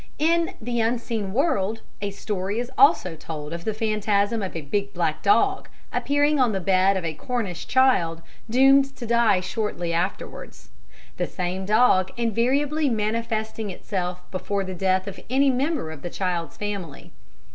In The Unseen World a story is also told of the phantasm of a big black dog appearing on the bed of a Cornish child, doomed to die shortly afterwards, the same dog invariably manifesting itself before the death of any member of the child's family.